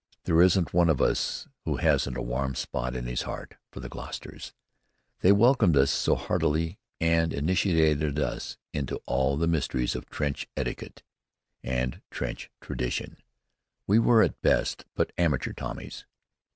There isn't one of us who hasn't a warm spot in his heart for the Gloucesters: they welcomed us so heartily and initiated us into all the mysteries of trench etiquette and trench tradition. We were, at best, but amateur Tommies.